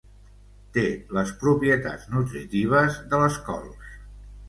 Té les propietats nutritives de les cols.